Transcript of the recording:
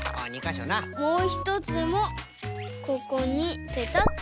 もうひとつもここにペタッと。